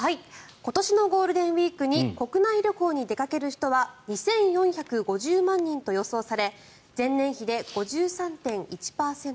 今年のゴールデンウィークに国内旅行に出かける人は２４５０万人と予想され前年比で５３．１％